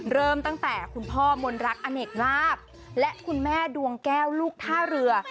เริ่มตั้งแต่คุณพ่อมนรักอเนกลาบและคุณแม่ดวงแก้วลูกท่าเรือ